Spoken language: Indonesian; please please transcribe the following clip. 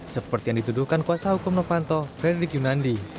seperti yang dituduhkan kuasa hukum novanto frederick yunandi